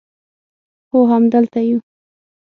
هو همدلته یو